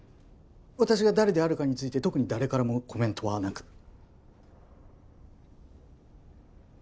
私が誰であるかについて特に誰からもコメントはなく？